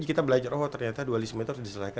kita belajar oh ternyata dualisme itu harus diselesaikan